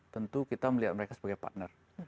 tentu kita melihat mereka sebagai partner